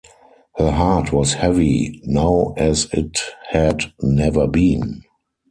Her heart was heavy now as it had never been.